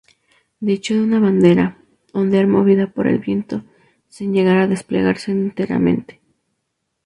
Dicho de una bandera: Ondear movida por el viento, sin llegar a desplegarse enteramente.